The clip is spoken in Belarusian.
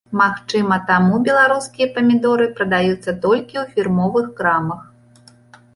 Магчыма таму беларускія памідоры прадаюцца толькі ў фірмовых крамах.